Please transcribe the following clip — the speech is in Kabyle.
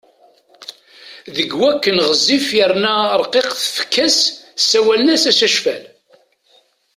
Deg wakken ɣezzif yerna rqiqet tfekka-s ssawalen-as Acacfal.